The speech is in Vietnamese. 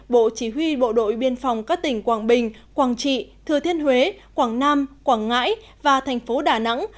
bộ chỉ huy bộ đội biên phòng các tỉnh quảng bình quảng trị thừa thiên huế quảng nam quảng ngãi và thành phố đà nẵng